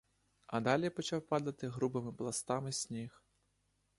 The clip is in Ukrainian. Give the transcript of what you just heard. А далі почав падати грубими пластами сніг.